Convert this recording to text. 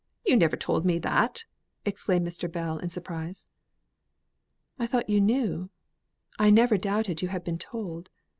you never told me that!" exclaimed Mr. Bell in surprise. "I thought you knew. I never doubted you had been told.